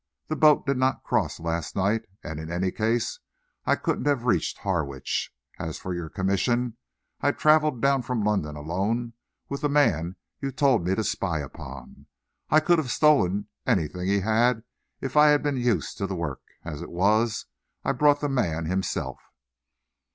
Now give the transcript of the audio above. "The boat did not cross last night, and in any case I couldn't have reached Harwich. As for your commission, I travelled down from London alone with the man you told me to spy upon. I could have stolen anything he had if I had been used to the work. As it was I brought the man himself."